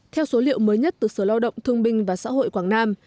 theo số liệu mới nhất từ sở lao động thương binh và xã hội quảng nam